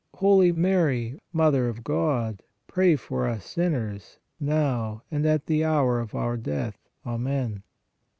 Holy Mary, Mother of God, pray for us, sinners, now and at the hour of our death. Amen.